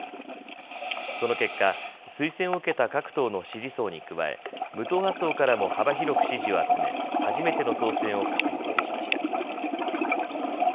その結果、推薦を受けた各党の支持層に加え無党派層からも幅広く支持を集め初めての当選を確実にしました。